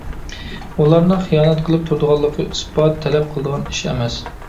ئۇلارنىڭ خىيانەت قىلىپ تۇرىدىغانلىقى ئىسپات تەلەپ قىلىدىغان ئىش ئەمەس.